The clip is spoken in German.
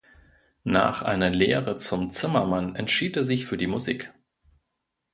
Nach einer Lehre zum Zimmermann entschied er sich für die Musik.